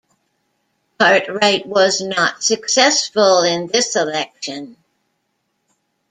Cartwright was not successful in this election.